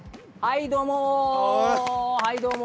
はいどうも！